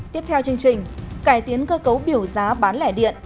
tiếp theo chương trình cải tiến cơ cấu biểu giá bán lẻ điện